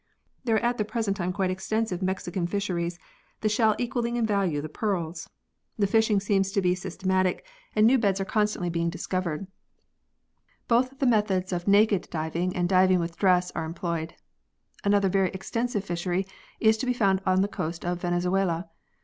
There are at the present time quite extensive Mexican fisheries, the shell equalling in value the pearls. The fishing seems to be systematic and new vn] PEARL FISHERIES OF OTHER LANDS 89 beds are constantly being discovered. Both the methods of naked diving and diving with dress are employed. Another very extensive fishery is to be found on the coast of Venezuela.